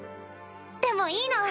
でもいいの！